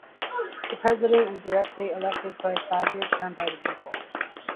The President is directly elected for a five-year term, by the people.